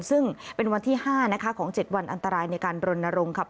ซึ่งเป็นวันที่๕นะคะของ๗วันอันตรายในการรณรงค์ครับ